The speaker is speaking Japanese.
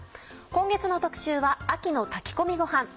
今月の特集は「秋の炊き込みごはん」。